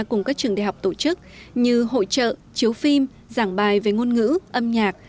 cùng các trường đại học tổ chức như hội trợ chiếu phim giảng bài về ngôn ngữ âm nhạc